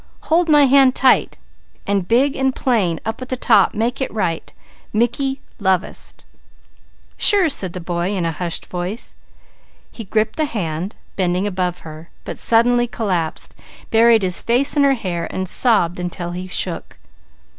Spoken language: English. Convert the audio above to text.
"Hold my hand tight, and big and plain up at the top make it write, 'Mickey lovest.'" "Sure," said the boy in a hushed voice. He gripped the hand, bending above her, but suddenly collapsed, buried his face in her hair and sobbed until he shook.